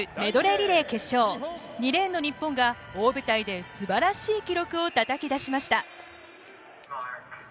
リレーの決勝が大舞台で素晴らしい記録をたたき出しました。